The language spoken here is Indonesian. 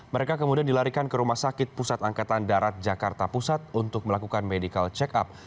mereka kemudian dilarikan ke rumah sakit pusat angkatan darat jakarta pusat untuk melakukan medical check up